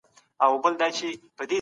پوهان به نوې لارې لټوي.